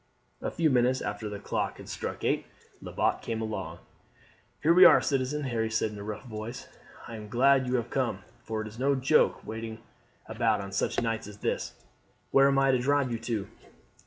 A few minutes after the clock had struck eight Lebat came along. "Here we are, citizen," Harry said in a rough voice, "I am glad you have come, for it's no joke waiting about on such nights as this. Where am I to drive you to?"